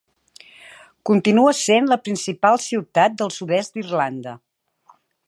Continua sent la principal ciutat del sud-est d'Irlanda.